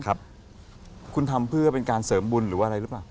คุณทำเพื่อเป็นการเสริมบุญหรือว่าอะไรหรือเปล่า